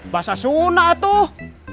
bahasa suna tuh